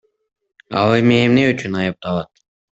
Ал эми эмне үчүн айыпталат?